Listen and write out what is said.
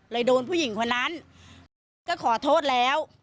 โดนผู้หญิงคนนั้นก็ขอโทษแล้ว